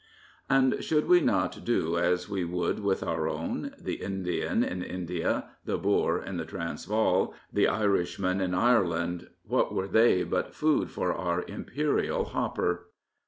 And should we not do as we would with our own? The Indian in India, the Boer in the Transvaal, the Irishman in Ireland — what were they but food for our Imperial hopper?